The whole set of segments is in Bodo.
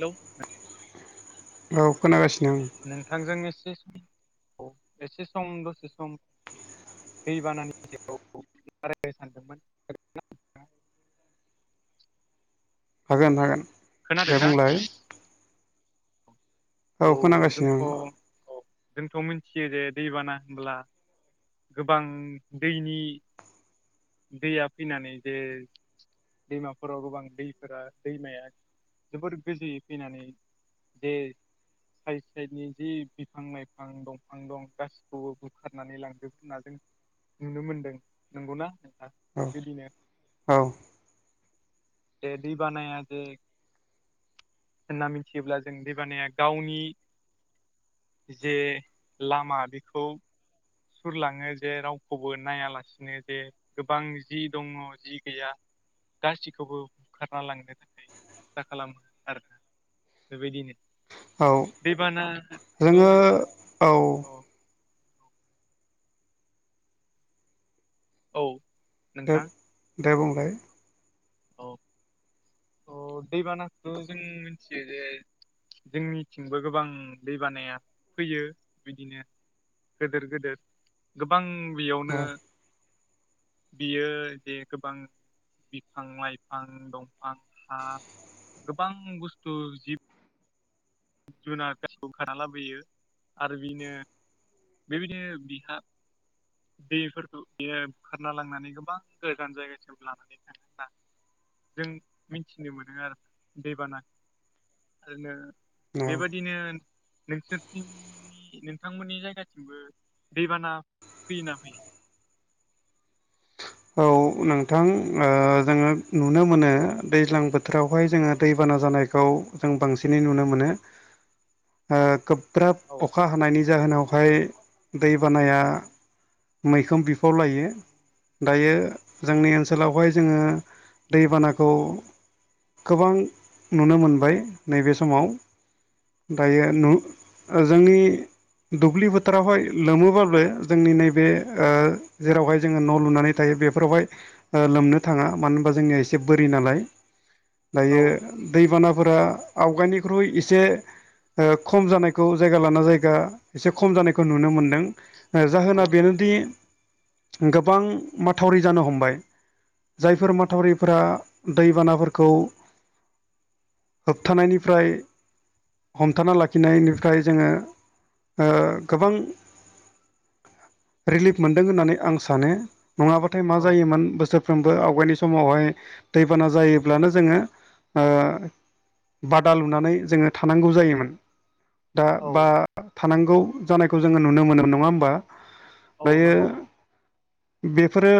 हेलौ औ खोनागासिनो ओं नोंथांजों एसे सम औ एसे सम दसे सम दै बानानि सायाव रायलायनो सानदोंमोन हागोन हागोन दे खोनादोंना बुंलाय औ जोंथ' औ जोंथ' मिथियो जे दैबाना होनब्ला गोबां दैनि दैया फैनानै जे दैमाफोराव गोबां दैफोरा दैमाया जोबोर गोजौयै फैनानै बे साइड साइडनि जि बिफां लाइफां दंफां दं गासिखौबो बुखारनानै लांजोबनानै जों नुनो मोनदों नंगौना नोंथा आं बिबायदिनो औ जे दैबानाया जे होनना मिथियोब्ला जों दैबानाया गावनि जे लामा बेखौ खुरलाङो जे रावखौबो नायालासिनो जे गोबां जि दङ जि गैया गासिखौबो बुखारना लांनो थाखाय सेस्था खालामो आरोना बेबायदिनो औ दैबानाथ' जोङो औ औ नोंथां दे बुंलाय औ अ दैबानाखौथ' जों मिथियो जे जोंनिथिंबो गोबां दैबानाया फैयो बिदिनो गेदेर गेदेर गोबां बेयावनो औ बियो जे गोबां बिफां लाइफां दं आंहा गोबां बुस्थु जिब जुनार गासैखौ बुखारना लाबोयो आरो बेनो बेबायदिनो बिहा दैफोरखौ बियो बुखारना लांनानै गोबां गोजान जायगासिम लानानै थाङो होना जों मिथिनो मोनो आरो दैबाना जोंनो औ बेबायदिनो नोंसोरथिंनि नोंथांमोननि जायगाथिंबो दैबाना फैयोना फैयो औ नोंथां जोङो नुनो मोनो दैज्लां बोथोरावहाय जोङो दैबाना जानायखौ जों बांसिनै नुनो मोनो गोब्राब औ अखा हानायनि जाहोनावहाय दै बानाया मैखोम बिफाव लायो दायो जोंनि ओनसोलावहाय जोङो दैबानाखौ गोबां नुनो मोनबाय नैबे समाव दायो नु जोंनि दुब्लि बोथोरावहाय लोमोब्लाबो जोंनि नैबे जेरावहाय जोङो न' लुनानै थायो बे फोरावहाय लोमनो थाङा मानो होनबा जोंनिया एसे बोरि नालाय औ दायो दैबानाफोरा आवगायनिख्रुइ एसे खम जानायखौ जायगा लाना जायगा एसे खम जानायखौ नुनो मोनदों औ जाहोना बेनोदि गोबां माथावरि जानो हमबाय जायफोर माथावरिफोरा दैबानाफोरखौ होबथानायनिफ्राय हमथाना लाखिनायनिफ्राय जोङो गोबां रिलिफ मोनदों होननानै आं सानो नङाबाथाय मा औ जायोमोन बोसोर साफ्रोमबो आवगायनि समावहाय दैबाना जायोब्लानो जोङो बादा लुनानै जोङो थानांगौ जायोमोन दा औ बा थानांगौ जानायखौ जोङो नुनो मोनो नङा होमबा औ दायो नंगौ बेफोरो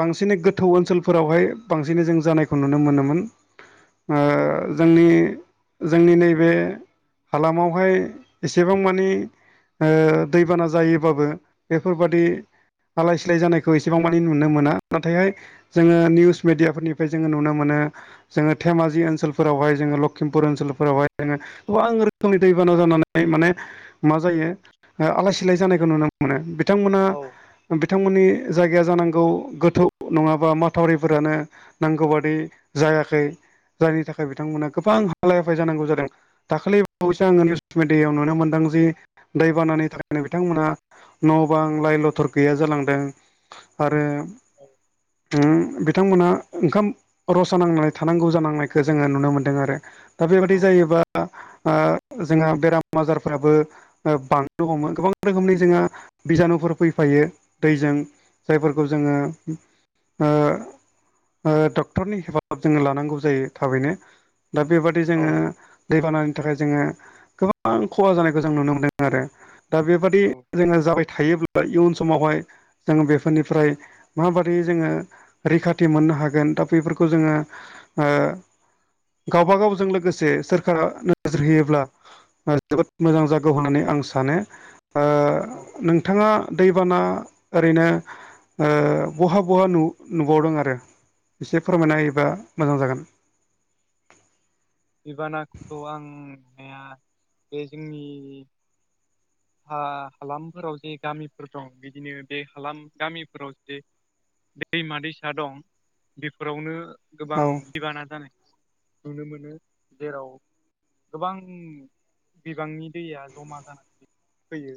बांसिन गोथौ ओनसोलफोरावहाय बांसिनै जों जानायखौ नुनो मोनोमोन औ जोंनि जोंनि नैबे हालामावहाय एसेबां मानि दैबाना जायोबाबो बेफोरबादि आलाय सिलाय जानायखौ एसेबां मानि नुनो मोना नाथायहाय जोङो निउस मिडियाफोरनिफ्राय जोङो नुनो मोनो जोङो धेमि ओनसोलफोरावहाय जोङो लखिमपुर ओनसोलफोरावहाय जोङो अ आं रोखोमनि दैबाना जानानै माने मा जायो आलाय सिलाय जानायखौ नुनो मोनो मोनो बिथांमोना औ बिथांमोननि जायगाया जानांगौ गोथौ नङाबा माथावरिफोरानो नांगौ बादि जायाखै जायनि थाखाय बिथांमोना गोबां हालाय हाफाय जानांगौ जादों दाखालि बावैसो आङो निउस मिेडियायाव नुनो मोनदों जि दैबानानि थाखायनो बिथांमोना न' बां लाइ लथर गैया जालांदों आरो औ बिथांमोना ओंखाम रसा नांनानै थानांगौ जानांनायखौ जोङो नुनो मोनदों आरो दा बेबादि औ जायोबा जोंहा बेराम आजारफ्राबो बांनो हमो गोबां रोखोमनि जोङो बिजानुफोर फै फायो दैजों जायफोरखौ जोङो डक्टरनि हेफाजाब जोङो लानांगौ जायो थाबैनो दा बेबादि औ जोङो दैबानानि थाखाय जोङो गोबां खहा जानायखौ जों नुनो मोनदों आरो दा बेबादि औ जोङो जाबाय थायोब्ला इयुन समावहाय जोङो बेफोरनिफ्राय माबायदि जोङो रैखाथि मोननो हागोन दा बेफोरखौ जोङो गावबा गावजों लोगोसे सोरखारा नोजोर होयोब्ला जोबोद मोजां जागौ होननानै आं सानो औ नोंथाङा दैबाना ओरैनो बहा बहा नुबावदों आरो एसे फोरमायना होयोबा मोजां जागोन दैबानाखौथ' आं नुनाया बे जोंनि हा हालामफोराव जे गामिफोर दं बिदिनो बे हालाम गामिफोराव जे दैमा दैसा दं बेफोरावनो गोबां औ दैबाना जानाय नुनो मोनो जेराव गोबां बिबांनि दैया जमा जानानै फैयो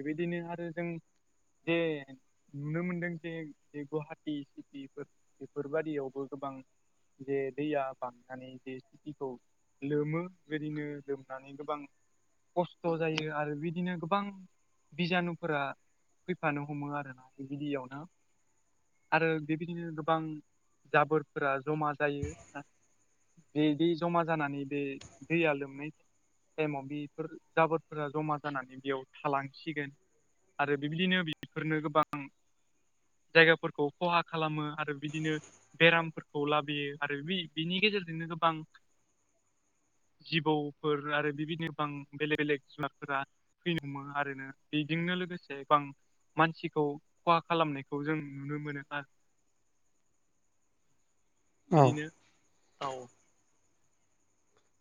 बेबायदिनो आरो जों जे नुनो मोनदों जे ज गुवाहाटि सिटिफोर बेफोरबादियावबो गोबां जे दैया बांनानै जे थिखौ लोमो बिदिनो लोमनानै गोबां खस्थ' जायो आरो बिदिनो गोबां बिजानुफोरा फैफानो हमो आरोना बेबायदियावनो आरो बेबायदिनो गोबां जाबोरफोरा जमा जायो बेदि जमा जानानै बे दैया लोमनाय टाइमाव बेफोर जाबोरफोरा जमा जानानै बेयाव थालांसिगोन। आरो बिबदिनो बेफोरनो गोबां जायगाफोरखौ खहा खालामो। आरो बिदिनो बेरामफोरखौ लाबोयो आरो बि बिनि गेजेरजोंनो गोबां जिबौफोर आरो बिबायदिनो बां बेलेग बेलेग जुनारफोरा फैयोमोन आरो ना? बेजोंनो लोगोसे गोबां मानसिखौ खहा खालामनायखौ जों नुनो मोनो आरो [inaudible] औ बिदिनो औ।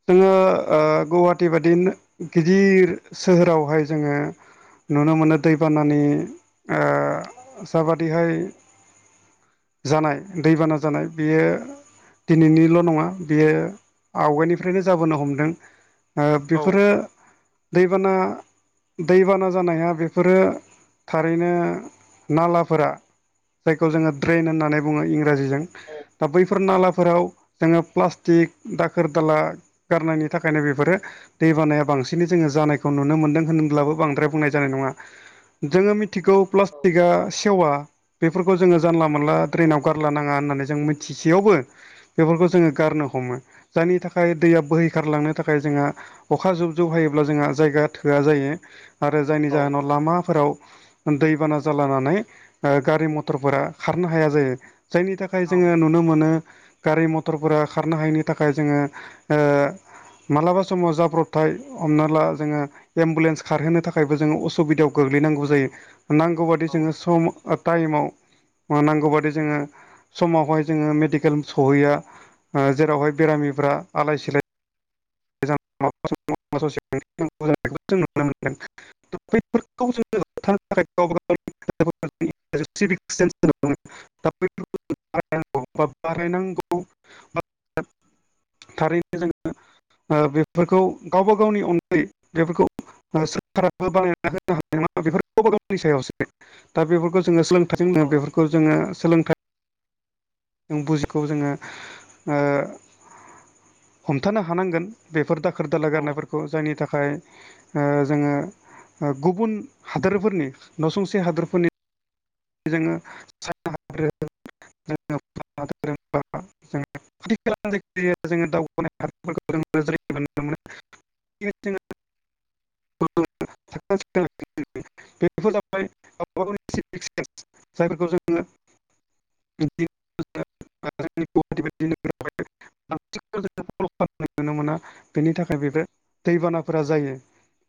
जोङो ओ गुवाहाटी बादि गिदिर सोहोरावहाय जोङो नुनो मोनो। दैबानानि ओ जाबादिहाय जानाय दैबाना जानाय। बेयो दिनैनिल' नङा बियो आवगायनि बेफ्रायनो जाबोनो हमदों। ओ औ बेफोरो दैबाना दैबाना जानाया बेफोरो थारैनो नालाफोरा जायखौ जोङो ट्रेन होननानै बुङो। इंराजि जों औ दा बैफोर नालाफोराव जोङो प्लासटिक दाखोर दाला गारनायनि थाखायनो बेफोरो दै बानाया बांसिनै जोङो जानायखौ नुनो मोनदों होनब्लाबो बांद्राय बुंनाय जानाय नङा। जोङो मिथिगौ औ प्लास्टिकआ सेवा। बेफोरखौ जोङो जानला मोनला औ ड्रेनाव गारला नाङा होननानै जों मि थिसेयावबो बेफोरखौ जोङो गारनो हमो जायनि थाखाय फाय दैया बोहैखारलांनो थाखाय जोंहा अखा जुब जुब हायोब्ला जोंहा जायगा थोआ जायो। आरो जायनि औ जाहोनाव लामाफोराव दैबाना जालानानै ओ गारि मटरफोरा खारनो हाया जायो। जायनि थाखाय औ थाखाय जोङो नुनो मोनो गारि मटरफोरा खारनो हायिनि थाखाय जोङो ओ मालाबा समाव जाब्रबथाय हमना ला जोङो एम्बुलेन्स खारहोनो थाखायबो जोङो असुबिदायाव गोग्लैनांगौ जायो‌ नांगौ बादि औ जोङो सम ओ टाइमाव ओ नांगौबादि जोङो समावहाय जोङो मेडिकेल सहैया ओ जेरावहाय बेरामिफ्रा आलाय सिलाय [unintelligible] जों नुनो मोनदों। बैफोरखौ जोङो हथानो थाखाय गावबा गावनि [unintelligible] [unintelligible] दा बेफोरखौ बारायनांगौ बा बारायनांगौ थारैनो जों ओ बेफोरखौ गावबा गावनि अनगायै बेफोरखौ सोरखाराबो बानायनानै होनो हानाय नङा। बेफोर गावबा गावनि सायावसो दा बेफोरखौ जोङो सोलों जोंनो बेफोरखौ जोङो सोलोंथाइ जों बुजिखौ जोङो हमथानो ओ हानांगोन। बेफोर दाखोर दाला औ गारनायफोरखौ जायनि थाखाय ओ जोङो गुबुन ओ हादोरफोरनि नसुंसे हादोरफोरनि [unintelligible] [unintelligible] [unintelligible] [unintelligible] [unintelligible] जायफोरखौ जोङो [unintelligible] [unintelligible] खालामनाय नुनो मोना बेनि थाखाय बेबो दैबानाफोरा जायो।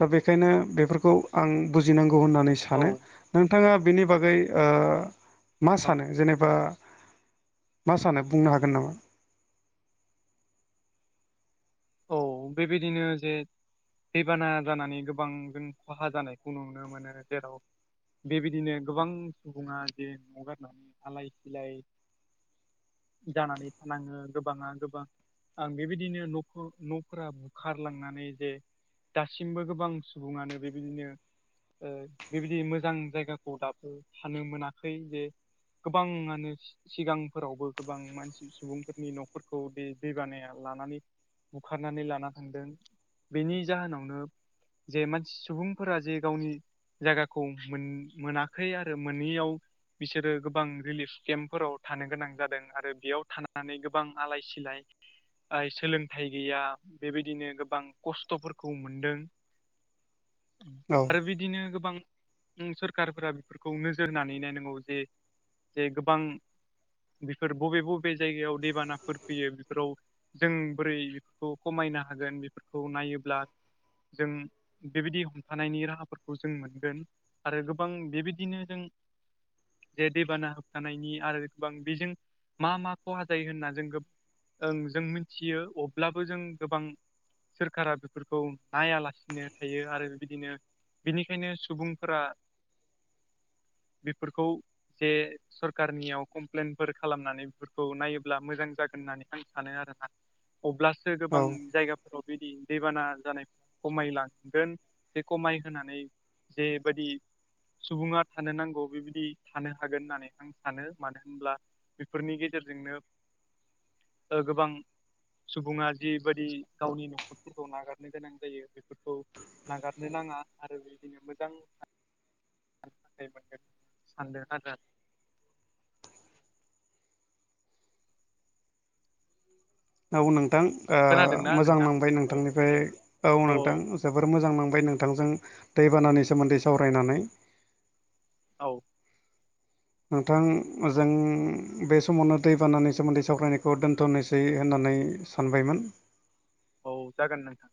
दा बेखायनो बेफोरखौ आं बुजिनांगौ होननानै औ सानो। नोंथाङा बिनि बागै मा सानो जेनेबा मा सानो? बुंनो हागोन नामा? औ बेबायदिनो जे दैबाना जानानै गोबां जों खहा जानायखौ नुनो मोनो जेराव बेबायदिनो गोबां सुबुङा जे न'गारनानै आलाय सिलाय जानानै थानाङो गोबाङा गोबां ओ बेबायदिनो न' न'फोरा बुखारलांनानै जे दासिमबो गोबां सुबुङानो बेबायदिनो ओ बेबायदि मोजां जायगाखौ दाबो थानो मोनाखै जे गोबाङानो सिगांफोरावबो गोबां मानसि सुबुंफोरनि न'फोरखौ दै दै बानाया लानानै बुखारनानै लाना थांदों बेनि जाहोनावनो जे मानसि सुबुंफोरा जे गावनि जायगाखौ मोनाखै आरो मोनैयाव बिसोरो गोबां रिलिफ केम्पफोराव थानो गोनां जादों आरो बेयाव थानानै गोबां आलाय सिलाय आइ सोलों -थाय गैया बेबायदिनो गोबां खस्थ'फोरखौ मोनदों औ आरो बिदिनो गोबां सरखारफोरा बेफोरखौ नोजोर होनानै नायनांगौ जे जे गोबां बेफोर बबे बबे जायगायाव दैबानाफोर फैयो बेफोराव जों बोरै बेफोरखौ खमायनो हागोन बेफोरखौ नायोब्ला जों बेबायदि हमथानायनि राहाफोरखौ जों मोनगोन आरो गोबां बेबायदिनो जों जे दैबाना होबथानायनि आरो गोबां बेजों मा मा खहा जायो होनना जों ओं जों मिथियो अब्लाबो जों गोबां सोरखारा बेफोरखौ नायालासिनो थायो आरो बेबायदिनो बेनिखायनो सुबुंफोरा बेफोरखौ जे सरखारनियाव कमप्लेनफोर खालामनानै बेफोरखौ नायोब्ला मोजां जागोन होननानै आं सानो आरोना अब्लासो औ गोबां जायगा फ्राव बिदि दैबाना जानायफ्रा खमायलांगोन बे खमायहोनानै जे बादि सुबुङा थानो नांगौ बेबायदि थानो हागोन होननानै आं सानो मानो होनब्ला बेफोरनि गेजेरजोंनो गोबां सुबुङा जिबायदि गावनि न'खरफोरखौ नागारनो गोनां जायो बेफोरखौ नागारनो नाङा आरो बिदिनो मोजां [unintelligible] मोनगोन सानदों आरो औ नोंथां ओ खोनादोंना मोजां नोंथां? नांबाय औ नोंथांनिफ्राय औ नोंथां जोबोर मोजां नांबाय नोंथांजों दैबानानि सोमोन्दै सावरायनानै औ नोंथां जों बे समावनो दैबानानि सोमोन्दै सावरायनायखौ दोन्थ'नोसै होननानै सानबायमोन औ जागोन नोंथां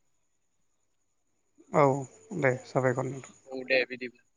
औ दे जाबायखर नोंथां। औ दे बिदिब्ला।